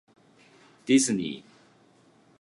ディズニー